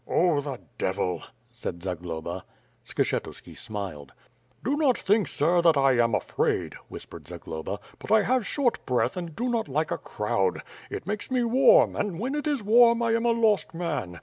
"Oh, the devil," said Zagloba. Skshetuski smiled. "Do not think, sir, that I am afraid," whispered Zagloba, "but I have short breath and do not like a crowd. It makes me warm, and when it is warm I am a lost man.